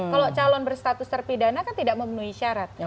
kalau calon berstatus terpidana kan tidak memenuhi syarat